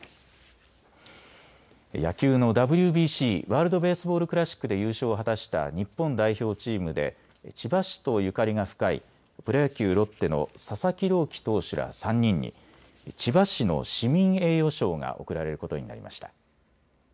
野球のＷＢＣ・ワールド・ベースボール・クラシックで優勝を果たした日本代表チームで千葉市とゆかりが深いプロ野球・ロッテの佐々木朗希投手ら３人に千葉市の市民栄誉賞が贈られることになりました。